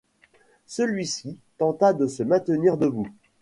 Celui-ci, tenta de se maintenir debout.